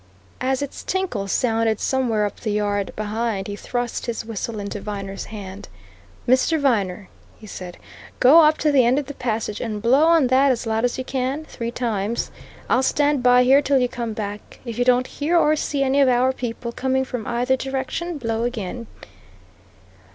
As its tinkle sounded somewhere up the yard behind, he thrust his whistle into Viner's hand. "Mr. Viner," he said, "go up to the end of the passage and blow on that as loud as you can, three times. I'll stand by here till you come back. If you don't hear or see any of our people coming from either direction, blow again."